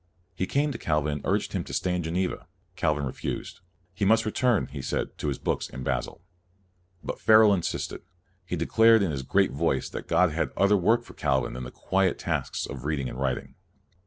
He came to Calvin and urged him to stay in Geneva. Calvin refused; he must return, he said, to his books at Basel. But Farel insisted; he declared in his great voice that God had other work for Calvin than the quiet tasks of reading and writing.